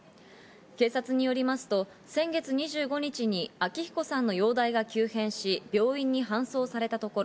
警察によりますと、先月２５日に昭彦さんの容体が急変し病院に搬送されたところ、